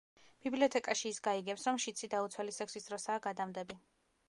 ბიბლიოთეკაში ის გაიგებს, რომ შიდსი დაუცველი სექსის დროსაა გადამდები.